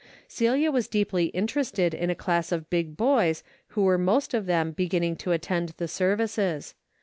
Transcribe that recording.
Celia was deeply interested in a class of big boys who were most of them be ginning to attend the services.